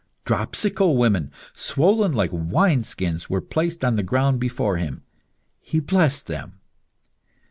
Dropsical women, swollen like wine skins were placed on the ground before him. He blessed them.